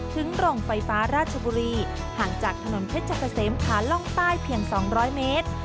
ถึงโรงไฟฟ้าราชบุรีห่างจากถนนเพชรเกษมขาล่องใต้เพียง๒๐๐เมตร